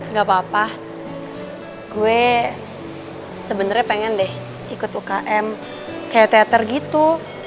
nggak papa gue sebenernya pengen deh ikut ukm kayak teater gitu